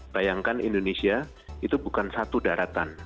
bayangkan indonesia itu bukan satu daratan